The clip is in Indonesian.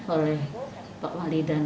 oleh pak wali dan